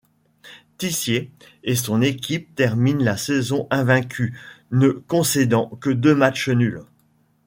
Tissier et son équipe terminent la saison invaincues, ne concédant que deux matches nuls.